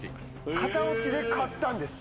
型落ちで買ったんですか？